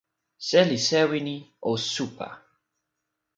seli sewi ni, o supa!